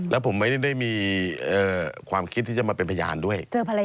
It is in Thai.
แล้วผมไม่ได้มีความคิดที่จะมาเป็นพยานด้วย